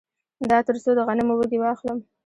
دا تر څو د غنمو وږي واخلم